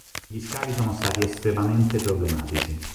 Gli scavi sono stati estremamente problematici.